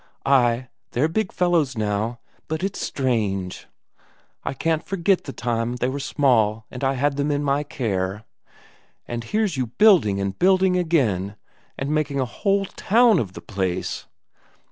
Ay, they're big fellows now, but it's strange ... I can't forget the time when they were small and I had them in my care. And here's you building and building again, and making a whole town of the place.